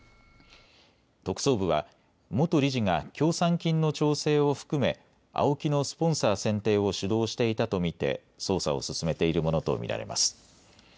特捜部は元理事が協賛金の調整を含めＡＯＫＩのスポンサー選定を主導していたと見て捜査を進めているものと見られます。